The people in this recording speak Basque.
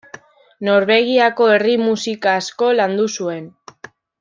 Norvegiako herri-musika asko landu zuen.